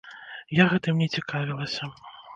Я гэтым не цікавілася.